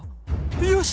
よし！